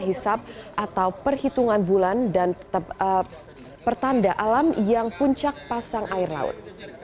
hisap atau perhitungan bulan dan pertanda alam yang puncak pasang air laut